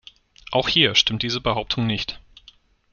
Auch hier stimmt diese Behauptung nicht.